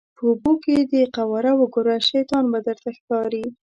په اوبو کې دې قواره وګوره شیطان به درته ښکاري.